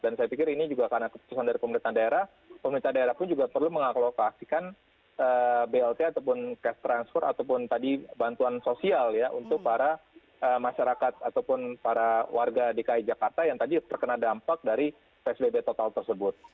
dan saya pikir ini juga karena keputusan dari pemerintah daerah pemerintah daerah pun juga perlu mengaklokasikan blt ataupun cash transfer ataupun tadi bantuan sosial ya untuk para masyarakat ataupun para warga di ki jakarta yang tadi terkena dampak dari psbb total tersebut